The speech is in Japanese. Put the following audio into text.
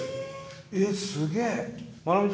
えすげえ。